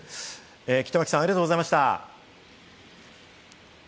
北脇さん、ありがとうございました。